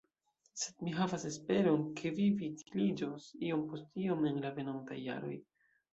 Sed mi havas esperon, ke ĝi vigliĝos iom post iom en la venontaj jaroj.